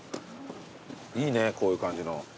いいねこういう感じの。